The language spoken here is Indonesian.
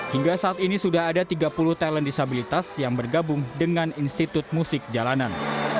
hingga saat ini sudah ada tiga puluh talent disabilitas yang bergabung dengan institut musik jalanan